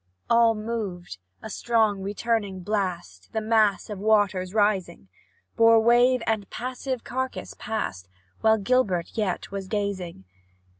All moved; a strong returning blast, The mass of waters raising, Bore wave and passive carcase past, While Gilbert yet was gazing.